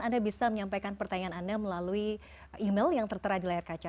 anda bisa menyampaikan pertanyaan anda melalui email yang tertera di layar kaca